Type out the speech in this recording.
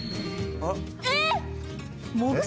えっ！？